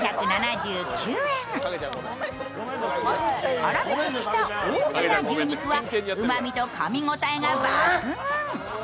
粗びきにした大きな牛肉はうまみとかみごたえが抜群。